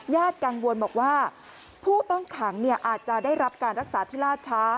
กังวลบอกว่าผู้ต้องขังอาจจะได้รับการรักษาที่ล่าช้า